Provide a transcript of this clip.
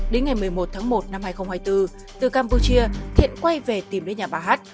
đến ngày một mươi một tháng một năm hai nghìn hai mươi bốn từ campuchia thiện quay về tìm đến nhà bà hát